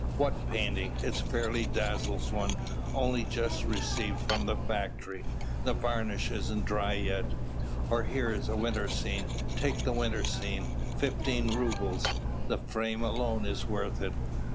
What painting! it fairly dazzles one; only just received from the factory; the varnish isn't dry yet. Or here is a winter scene take the winter scene; fifteen rubles; the frame alone is worth it.